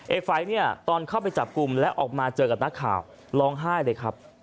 ไฟเนี่ยตอนเข้าไปจับกลุ่มและออกมาเจอกับนักข่าวร้องไห้เลยครับ